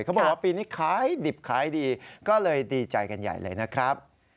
เขาบอกว่าปีนี้ขายดิบขายดีก็เลยดีใจกันใหญ่เลยนะครับ